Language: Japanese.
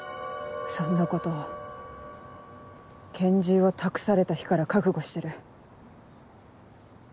そんなこと拳銃を託された日から覚悟してる。